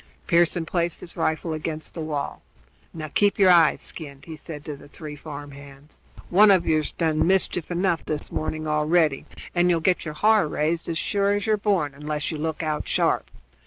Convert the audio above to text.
Pearson placed his rifle against the wall. "Now keep your eyes skinned," he said to the three farm hands. "One of yer's done mischief enough this morning already, and you'll get your har raised, as sure as you're born, unless you look out sharp.